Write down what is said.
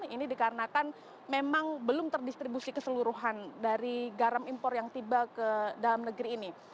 ini dikarenakan memang belum terdistribusi keseluruhan dari garam impor yang tiba ke dalam negeri ini